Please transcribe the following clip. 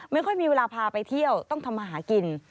ไม่ค่อยมีเวลาพาไปเที่ยวต้องทำมาหากิน